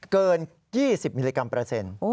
เกิน๒๐มิลลิกรัมเปอร์เซ็นต์